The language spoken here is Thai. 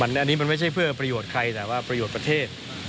อันนี้มันไม่ใช่เพื่อประโยชน์ใครแต่ว่าประโยชน์ประเทศ